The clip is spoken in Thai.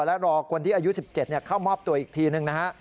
และรอคนที่อายุ๑๗เข้ามอบตัวอีกทีหนึ่งนะฮะ